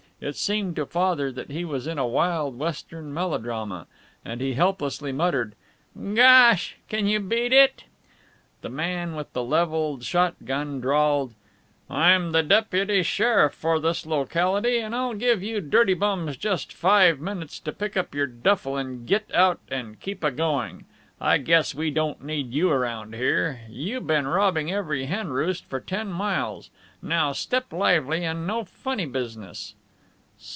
It seemed to Father that he was in a wild Western melodrama, and he helplessly muttered, "Gosh! Can you beat it?" The man with the leveled shot gun drawled, "I'm the deputy sheriff for this locality and I'll give you dirty bums just five minutes to pick up your duffle and git out, and keep a going. I guess we don't need you around here. You been robbing every hen roost for ten miles. Now step lively, and no funny business."